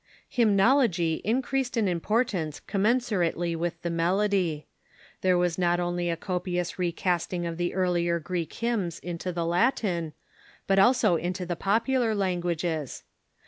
Hymnology increased in importance commensurately with the melody. There was not only a copious recasting of the earlier Greek hymns into the Latin, but also into the popular languages.